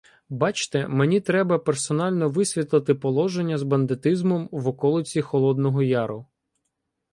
— Бачте, мені треба персонально висвітлити положення з бандитизмом в околиці Холодного Яру.